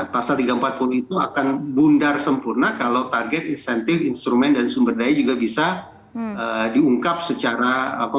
pasal tiga ratus empat puluh itu akan bundar sempurna kalau target insentif instrumen dan sumber daya juga bisa diungkap secara